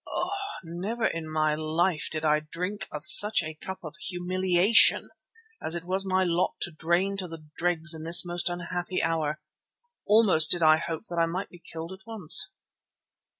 Oh! never in my life did I drink of such a cup of humiliation as it was my lot to drain to the dregs in this most unhappy hour. Almost did I hope that I might be killed at once.